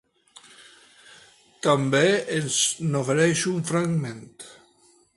També ens n’ofereix un fragment.